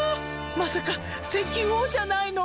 「まさか石油王じゃないの！？」